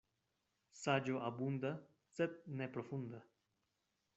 Saĝo abunda, sed ne profunda.